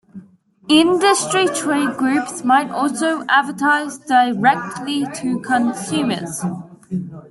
Industry trade groups might also advertise directly to consumers.